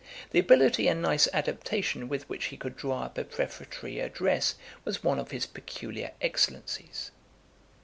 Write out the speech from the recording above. The ability and nice adaptation with which he could draw up a prefatory address, was one of his peculiar excellencies.